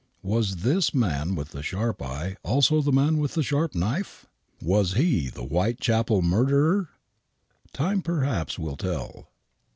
Was this man with the sharp eye also the man with the sharp knife ? Was he the Whitechapel murderer ? Time, perhaps, will tell.